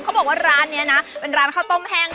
เขาบอกว่าร้านนี้นะเป็นร้านข้าวต้มแห้ง